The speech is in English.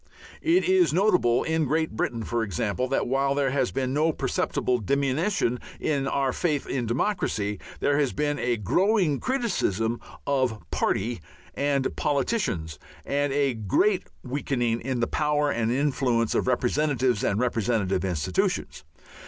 It is notable in Great Britain, for example, that while there has been no perceptible diminution in our faith in democracy, there has been a growing criticism of "party" and "politicians," and a great weakening in the power and influence of representatives and representative institutions.